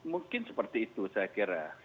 mungkin seperti itu saya kira